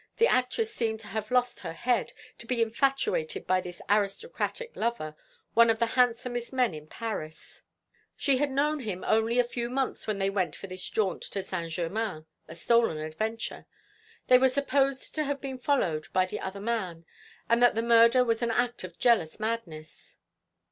The actress seemed to have lost her head, to be infatuated by this aristocratic lover, one of the handsomest men in Paris. She had known him only a few months when they went for this jaunt to Saint Germain a stolen adventure. They were supposed to have been followed by the other man, and that the murder was an act of jealous madness."